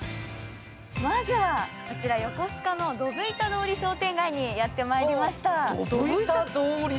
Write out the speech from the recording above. まずは、横須賀のどぶ板通り商店街にやってまいりました。